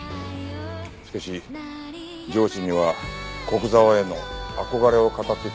しかし上司には古久沢への憧れを語っていたそうだ。